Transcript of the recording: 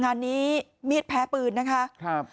งานนี้มีดแพ้ปืนนะคะ